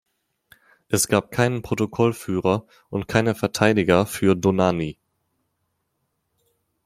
Es gab keinen Protokollführer und keine Verteidiger für Dohnanyi.